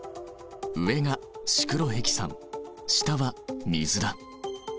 上がシクロヘキサン下は水だ。